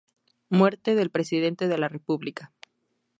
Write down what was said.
Muerte del Presidente de la República.